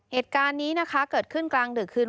เหตุการณ์นี้นะคะเกิดขึ้นกลางดึกคืน